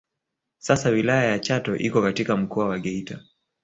Sasa wilaya ya Chato iko katika Mkoa wa Geita